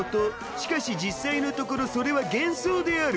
しかし実際のところそれは幻想である。